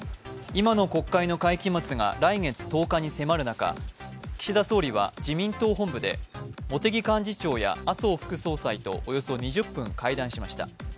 今の国会の会期末が来月１０日に迫る中、岸田総理は自民党本部で茂木幹事長や麻生副総裁とおよそ２０分会談しました。